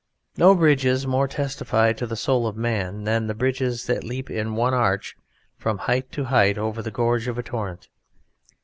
No bridges more testify to the soul of man than the bridges that leap in one arch from height to height over the gorge of a torrent.